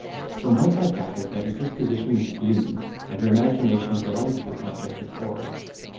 From whence I gathered, that her disposition was gloomy, and her imagination delighted with objects of horror.